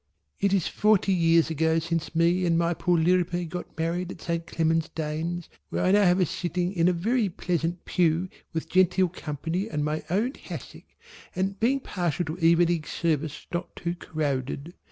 It is forty years ago since me and my poor Lirriper got married at St. Clement's Danes, where I now have a sitting in a very pleasant pew with genteel company and my own hassock, and being partial to evening service not too crowded.